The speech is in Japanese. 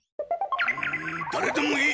んだれでもいい！